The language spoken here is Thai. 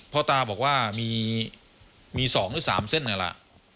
พ่อตาบอกว่ามี๒หรือ๓เส้นนั่นแหละ